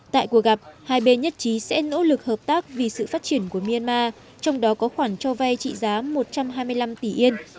tại cuộc gặp hai bên nhất trí sẽ nỗ lực hợp tác vì sự phát triển của myanmar trong đó có khoản cho vay trị giá một trăm hai mươi năm tỷ yên